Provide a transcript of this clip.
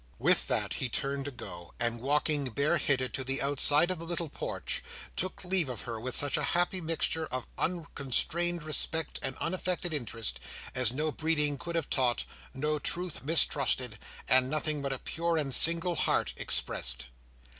With that he turned to go, and walking, bareheaded, to the outside of the little porch, took leave of her with such a happy mixture of unconstrained respect and unaffected interest, as no breeding could have taught, no truth mistrusted, and nothing but a pure and single heart expressed.